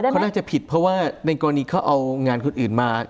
เขาน่าจะผิดเพราะว่าในกรณีเขาเอางานคนอื่นมา